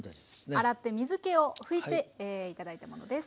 洗って水けを拭いていただいたものです。